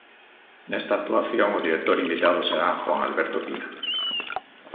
Nesta actuación o director invitado será Juan Alberto Pina.